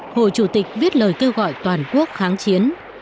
hồ chủ tịch viết lời kêu gọi toàn quốc kháng chiến